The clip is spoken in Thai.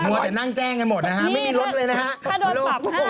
วัวแต่นั่งแจ้งกันหมดนะฮะไม่มีรถเลยนะฮะ